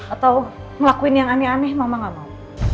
atau melakuin yang aneh aneh mama gak mau